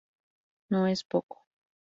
No es poco.